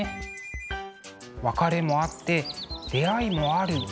別れもあって出会いもある。